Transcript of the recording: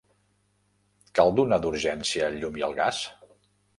Cal donar d'urgència el llum i el gas?